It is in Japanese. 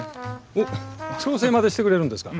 おっ調整までしてくれるんですか。